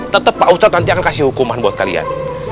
tetep pak ustaz nanti akan kasih hukuman buat kalian